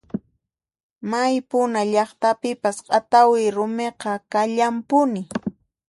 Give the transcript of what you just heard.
May puna llaqtapipas q'atawi rumiqa kallanpuni.